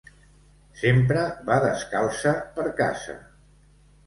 Sempre va descalça, per casa.